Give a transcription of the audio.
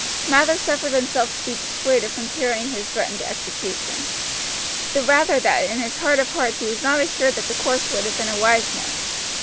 Mather suffered himself to be dissuaded from carrying his threat into execution, the rather that in his heart of hearts he was not assured that the course would have been a wise one.